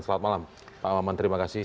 selamat malam pak maman terima kasih